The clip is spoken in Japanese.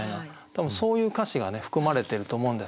多分そういう歌詞が含まれてると思うんですよ。